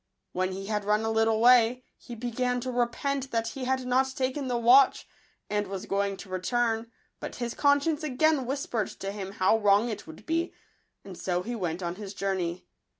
When he had run a little way, he began to repent that he had not taken the watch, and was going to return, but his con science again whispered to him how wrong it would be ; and so he went on his journey.